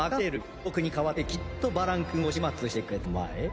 僕に代わってきちっとバランくんを始末してくれたまえ。